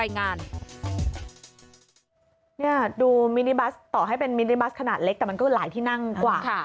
ดูมินิบัสต่อให้เป็นมินิบัสขนาดเล็กแต่มันก็หลายที่นั่งกว่า